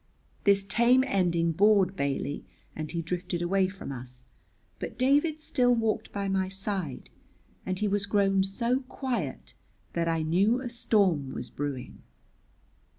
This tame ending bored Bailey, and he drifted away from us, but David still walked by my side, and he was grown so quiet that I knew a storm was brewing.